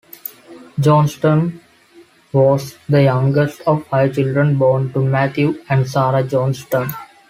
Johnstone was the youngest of five children born to Matthew and Sarah Johnstone.